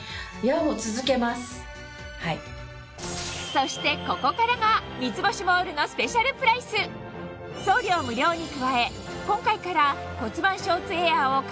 そしてここからが『三ツ星モール』のスペシャルプライス送料無料に加え